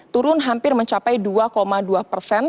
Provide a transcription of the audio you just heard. turun hampir mencapai dua dua persen